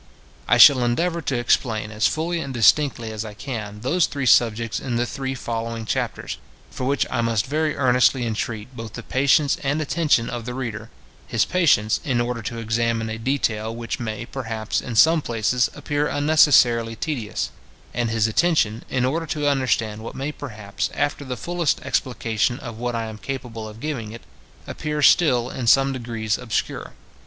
I shall endeavour to explain, as fully and distinctly as I can, those three subjects in the three following chapters, for which I must very earnestly entreat both the patience and attention of the reader: his patience, in order to examine a detail which may, perhaps, in some places, appear unnecessarily tedious; and his attention, in order to understand what may perhaps, after the fullest explication which I am capable of giving it, appear still in some degree obscure.